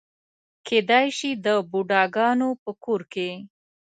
کېدای شي د بوډاګانو په کور کې.